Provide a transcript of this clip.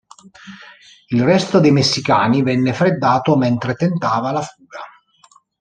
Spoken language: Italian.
Il resto dei messicani venne freddato mentre tentava la fuga.